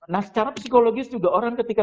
nah secara psikologis juga orang ketika